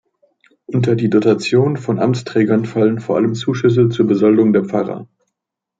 Unter die Dotation von Amtsträgern fallen vor allem Zuschüsse zur Besoldung der Pfarrer.